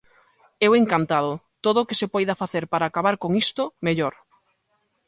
Eu encantado, todo o que se poida facer para acabar con isto, mellor.